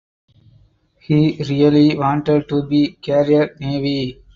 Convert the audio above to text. He really wanted to be career Navy.